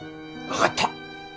分かった。